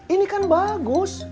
ini kan bagus